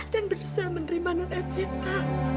dan berusaha menerima non evita